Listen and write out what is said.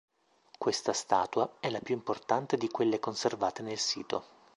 Questa statua è la più importante di quelle conservate nel sito.